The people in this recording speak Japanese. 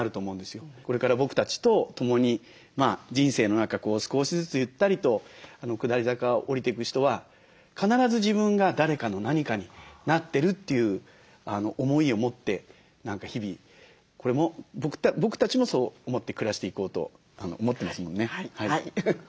これから僕たちとともに人生の少しずつゆったりと下り坂を下りていく人は必ず自分が誰かの何かになってるという思いを持って日々これも僕たちもそう思って暮らしていこうと思ってますもんね。